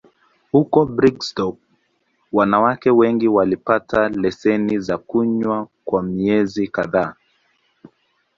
Huko Brigstock, wanawake wengine walipata leseni za kunywa kwa miezi kadhaa.